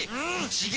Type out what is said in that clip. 刺激！